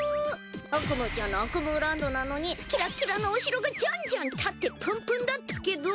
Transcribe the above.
アクムーちゃんのアクムーランドなのにキラキラなお城がじゃんじゃん建ってプンプンだったけど！